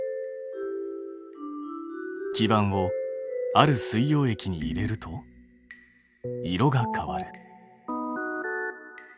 基板をある水溶液に入れると色が変わる。